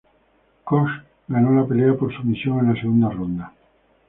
Koch ganó la pelea por sumisión en la segunda ronda.